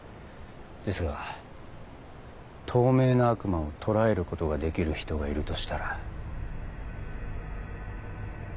ですが透明な悪魔を捕らえることができる人がいるとしたら。